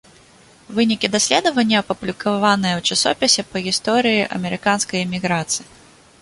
Вынікі даследавання апублікаваныя ў часопісе па гісторыі амерыканскай эміграцыі.